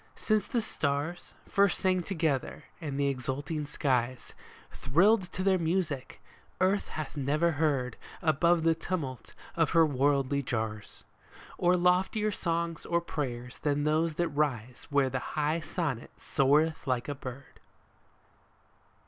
Since the stars First sang together, and the exulting skies Thrilled to their music, earth hath never heard, Above the tumult of her worldly jars, Or loftier songs or prayers than those that rise Where the high sonnet soareth like a bird